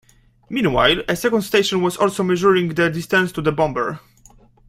Meanwhile, a second station was also measuring the distance to the bomber.